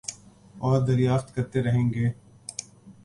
اوردریافت کرتے رہیں گے